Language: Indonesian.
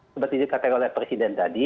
seperti dikatakan oleh presiden tadi